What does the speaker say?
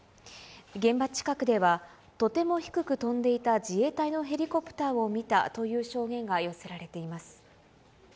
現場近くでは、とても低く飛んでいた自衛隊のヘリコプターを見たという証言が寄せられています。